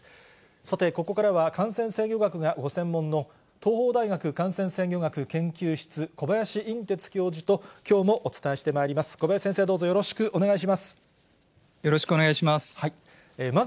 さて、ここからは感染制御学がご専門の、東邦大学感染制御学研究室、小林寅てつ教授と、きょうもお伝えしてまいります。